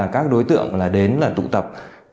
các đối tượng đến tụ tập